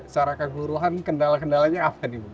secara keseluruhan kendala kendalanya apa nih bu